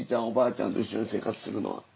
おばあちゃんと一緒に生活するのは。